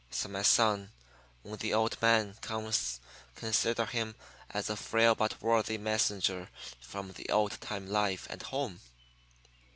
"'So, my son, when the old man comes consider him as a frail but worthy messenger from the old time life and home.